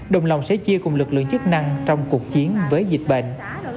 đồng lòng sẽ chia cùng lực lượng chức năng trong cuộc chiến với dịch bệnh